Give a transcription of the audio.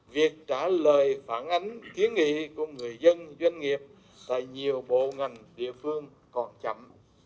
việc trả lời phản ánh kiến nghị của người dân doanh nghiệp tại nhiều bộ ngành địa phương còn chậm